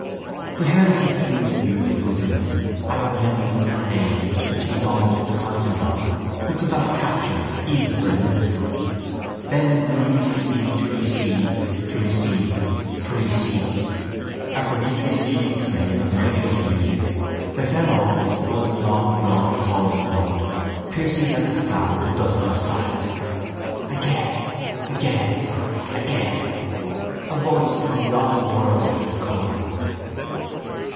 He heard a confused music within him as of memories and names which he was almost conscious of but could not capture even for an instant; then the music seemed to recede, to recede, to recede, and from each receding trail of nebulous music there fell always one longdrawn calling note, piercing like a star the dusk of silence. Again! Again! Again! A voice from beyond the world was calling.